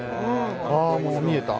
あー、もう見えた。